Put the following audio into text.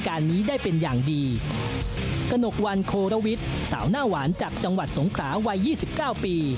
กระหนกวันโคลวิทสาวหน้าหวานจากจังหวัดสงขลาวัย๒๙ปี